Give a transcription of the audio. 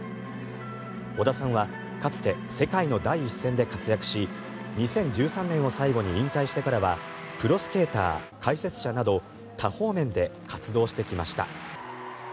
織田さんはかつて世界の第一線で活躍し２０１３年を最後に引退してからはプロスケーター、解説者など多方面で活躍してきました。